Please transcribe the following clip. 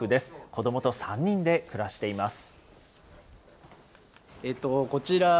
子どもと３人で暮らしています。